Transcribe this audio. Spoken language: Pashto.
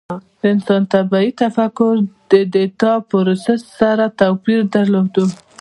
د انسان طبیعي تفکر د ډیټا پروسس سره توپیر درلود.